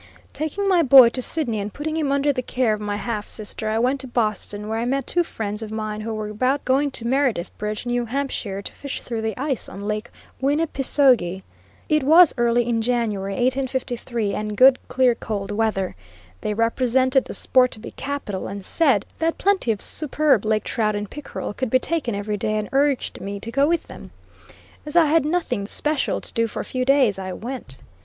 Taking my boy to Sidney and putting him under the care of my half sister, I went to Boston, where I met two friends of mine who were about going to Meredith Bridge, N.H., to fish through the ice on Lake Winnipiseogee. It was early in January, 1853, and good, clear, cold weather. They represented the sport to be capital, and said that plenty of superb lake trout and pickerel could be taken every day, and urged me to go with them. As I had nothing special to do for a few days, I went.